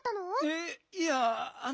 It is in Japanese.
えっいやあの。